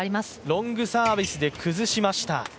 ロングサービスで崩しました。